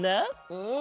うん。